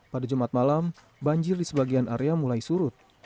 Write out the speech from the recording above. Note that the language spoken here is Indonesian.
pada jumat malam banjir di sebagian area mulai surut